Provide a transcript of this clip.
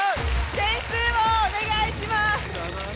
点数をお願いします。